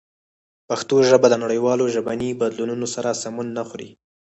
پښتو ژبه د نړیوالو ژبني بدلونونو سره سمون نه خوري.